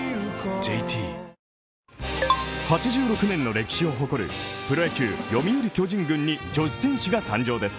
ＪＴ８６年の歴史を誇るプロ野球読売巨人軍に女子選手が誕生です。